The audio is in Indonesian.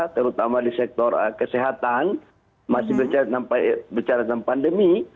terutama di sektor kesehatan masih bicara tentang pandemi